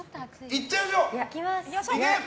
いっちゃいましょう！